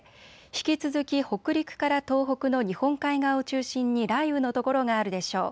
引き続き北陸から東北の日本海側を中心に雷雨の所があるでしょう。